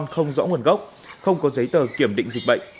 không rõ nguồn gốc không có giấy tờ kiểm định dịch bệnh